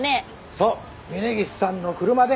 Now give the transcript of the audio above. そう峯岸さんの車で。